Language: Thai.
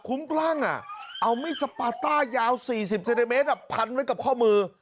คุ้มคลั่งเอามีดสปาต้ายาว๔๐เซนติเมตรพันไว้กับข้อมือ